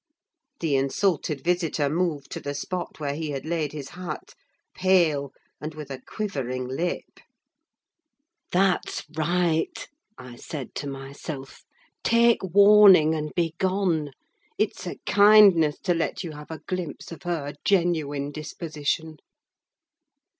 The insulted visitor moved to the spot where he had laid his hat, pale and with a quivering lip. "That's right!" I said to myself. "Take warning and begone! It's a kindness to let you have a glimpse of her genuine disposition."